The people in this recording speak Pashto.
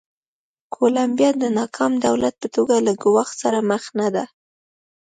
کولمبیا د ناکام دولت په توګه له ګواښ سره مخ نه ده.